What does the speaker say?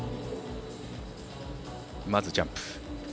まずジャンプ。